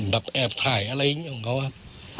แบบแอบถ่ายอะไรอย่างนี้ของเขาครับ